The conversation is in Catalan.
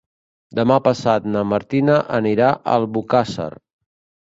Demà passat na Martina anirà a Albocàsser.